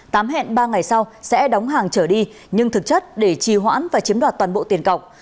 tám hẹn ba ngày sau sẽ đóng hàng trở đi nhưng thực chất để trì hoãn và chiếm đoạt toàn bộ tiền cọc